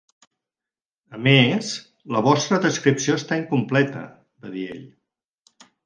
"A més, la vostra descripció està incompleta", va dir ell.